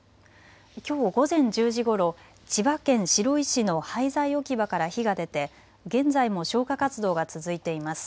きょう午前１０時ごろ、千葉県白井市の廃材置き場から火が出て現在も消火活動が続いています。